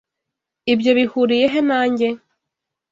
Ibyo bihuriye he nanjye?